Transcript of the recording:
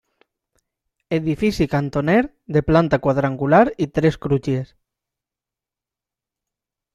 Edifici cantoner de planta quadrangular i tres crugies.